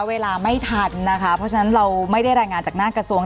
เวลาไม่ทันนะคะเพราะฉะนั้นเราไม่ได้รายงานจากหน้ากระทรวง